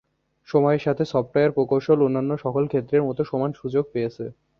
সময়ের সাথে সফটওয়্যার প্রকৌশল অন্যান্য সকল ক্ষেত্রের মত সমান সুযোগ পেয়েছে।